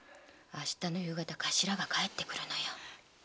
明日の夕方頭が帰ってくるのよ。